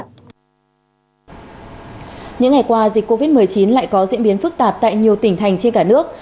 những ngày qua dịch covid một mươi chín lại có diễn biến phức tạp tại nhiều tỉnh thành trên cả nước